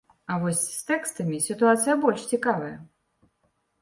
А вось з тэкстамі сітуацыя больш цікавая.